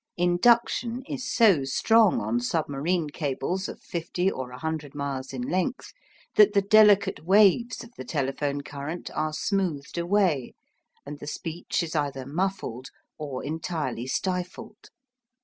Induction is so strong on submarine cables of 50 or 100 miles in length that the delicate waves of the telephone current are smoothed away, and the speech is either muffled or entirely stifled.